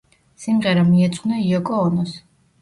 სიმღერა მიეძღვნა იოკო ონოს.